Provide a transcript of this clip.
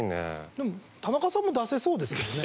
でも田中さんも出せそうですけどね。